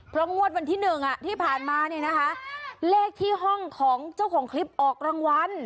เพราะงวดวันที่๑ที่ผ่านมาเนี่ยนะคะเลขที่ห้องของเจ้าของคลิปออกรางวัล